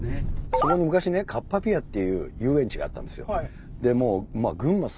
その昔カッパピアっていう遊園地があったんですよ。